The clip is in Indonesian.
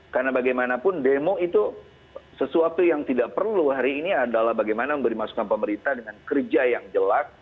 karena bagaimanapun demo itu sesuatu yang tidak perlu hari ini adalah bagaimana memberi masukan pemerintah dengan kerja yang jelek